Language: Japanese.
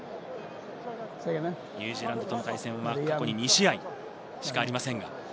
ニュージーランドとの対戦は過去に２試合しかありませんが。